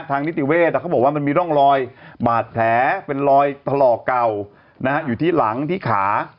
นิติเวศเขาบอกว่ามันมีร่องรอยบาดแผลเป็นรอยถลอกเก่าอยู่ที่หลังที่ขา